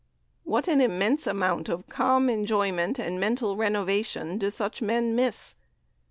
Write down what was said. What an immense amount of calm enjoyment and mental renovation do such men miss.